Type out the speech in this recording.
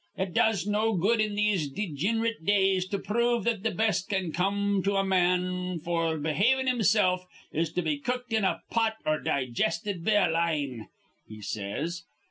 'It does no good in these degin'rate days to prove that th' best that can come to a man f'r behavin' himsilf is to be cooked in a pot or di gisted be a line,' he says.